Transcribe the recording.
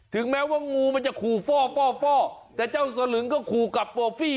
ถึงแม้ว่างูมันจะคูฟ้อแต่เจ้าสลึงก็คูกับฟ่อฟี่